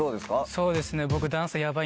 そうですね。